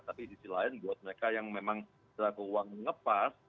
tapi di sisi lain buat mereka yang memang dalam keuangan ngepas